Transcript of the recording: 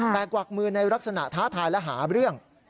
แต่กวักมือในลักษณะท้าทายและหาเรื่อง